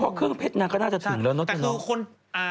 เพราะเครื่องเพชรนางก็น่าจะถึงแล้วเนอะ